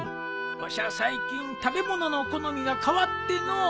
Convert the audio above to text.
わしゃ最近食べ物の好みが変わってのう。